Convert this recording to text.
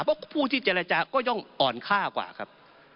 เพราะผู้ที่เจรจาก็ต้องอ่อนค่ากว่าครับ